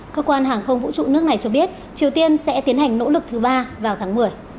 cơ quan hàng không vũ trụ nước này cho biết triều tiên sẽ tiến hành nỗ lực thứ ba vào tháng một mươi